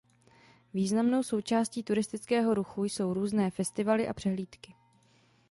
Významnou součástí turistického ruchu jsou různé festivaly a přehlídky.